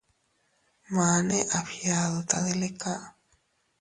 Mane a fgiadu tadilika.